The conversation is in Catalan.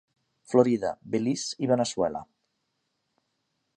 Florida, Belize i Veneçuela.